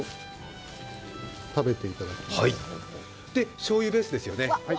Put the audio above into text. しょうゆベースですよね。